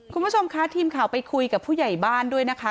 คุณผู้ชมคะทีมข่าวไปคุยกับผู้ใหญ่บ้านด้วยนะคะ